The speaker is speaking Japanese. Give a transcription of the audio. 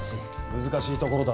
難しいところだな。